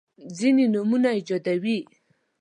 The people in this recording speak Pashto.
ځیني نومونه ایجادوي.